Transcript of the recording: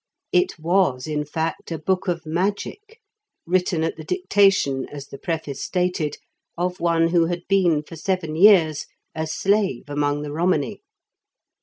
It was, in fact, a book of magic, written at the dictation, as the preface stated, of one who had been for seven years a slave among the Romany.